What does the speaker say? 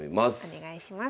お願いします。